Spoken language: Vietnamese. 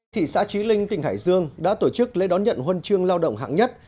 thị xã trí linh tỉnh hải dương đã tổ chức lễ đón nhận huân chương lao động hạng nhất